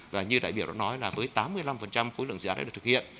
và như đại biểu đã nói là với tám mươi năm khối lượng dự án đã được thực hiện